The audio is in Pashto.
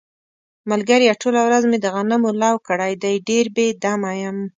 ملگریه ټوله ورځ مې د غنمو لو کړی دی، ډېر بې دمه یم.